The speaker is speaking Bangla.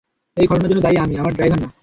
এই ঘটনার জন্য দায়ী আমিই, আমার ড্রাইভার না।